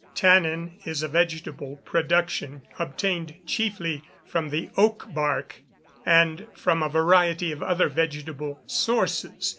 _ Tannin is a vegetable production, obtained chiefly from the oak bark, and from a variety of other vegetable sources.